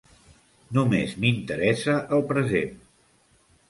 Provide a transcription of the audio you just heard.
Només m'interessa el present.